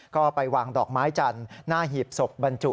ก็ไปวางดอกไม้จันทร์หน้าหีบศพบรรจุ